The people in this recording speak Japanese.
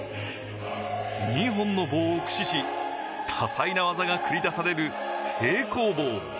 ２本の棒を駆使し、多彩な技が繰り出される平行棒。